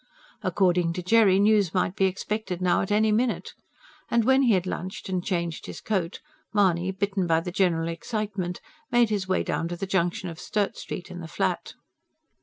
According to Jerry news might be expected now at any minute. And when he had lunched and changed his coat, Mahony, bitten by the general excitement, made his way down to the junction of Sturt Street and the Flat.